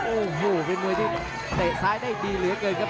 โอ้โหเป็นมวยที่เตะซ้ายได้ดีเหลือเกินครับ